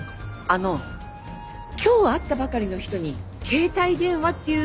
あの今日会ったばかりの人に携帯電話っていうのもちょっと。